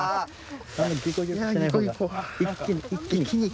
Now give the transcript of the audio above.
一気に一気に。